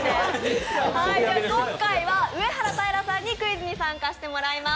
今回は上原平さんにクイズに参加していただきます。